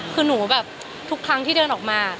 คือหนูแบบทุกครั้งที่เดินออกมา